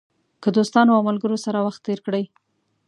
که دوستانو او ملګرو سره وخت تېر کړئ.